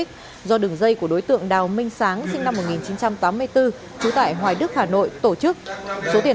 do đường dây của đối tượng đào minh sáng sinh năm một nghìn chín trăm tám mươi bốn trú tại hoài đức hà nội tổ chức số tiền